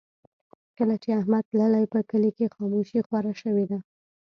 کله چې احمد تللی، په کلي کې خاموشي خوره شوې ده.